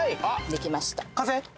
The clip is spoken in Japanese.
できました完成？